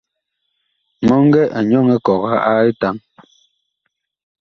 Mɔŋgɛ a nyɔŋ ekɔga a etaŋ.